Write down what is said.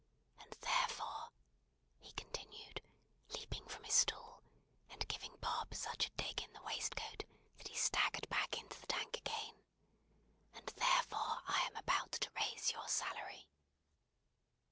And therefore," he continued, leaping from his stool, and giving Bob such a dig in the waistcoat that he staggered back into the Tank again; "and therefore I am about to raise your salary!"